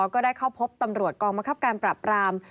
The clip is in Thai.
ก็ได้เข้าพบตำรวจกองบังคับการปรับราม